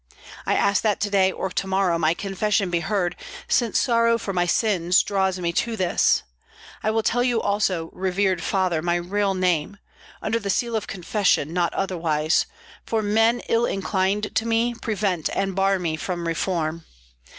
I ask that to day or to morrow my confession be heard, since sorrow for my sins draws me to this. I will tell you also, revered father, my real name, under the seal of confession, not otherwise, for men ill inclined to me prevent and bar me from reform.